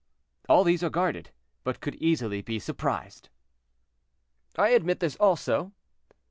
"All these are guarded, but could easily be surprised." "I admit this also."